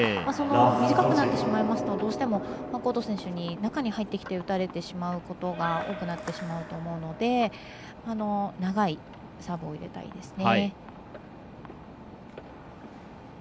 短くなってしまいますとどうしても、ファンコート選手に中に入ってきて打たれてしまうことが多くなってしまうと思うので長いサーブを入れたいですね。